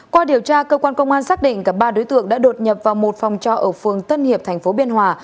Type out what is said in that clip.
qua điều tra cơ quan công an xác định cả ba đối tượng đã đột nhập vào một phòng trọ ở phường tân hiệp tp biên hòa